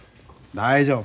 大丈夫。